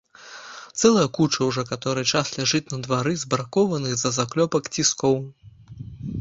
Цэлая куча ўжо каторы час ляжыць на двары збракованых з-за заклёпак ціскоў!